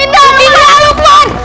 indah lu keluar